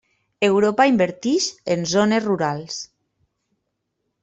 Europa invertix en zones rurals.